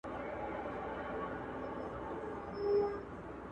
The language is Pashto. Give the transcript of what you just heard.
ځم د اوښکو په ګودر کي ګرېوانونه ښخومه!٫.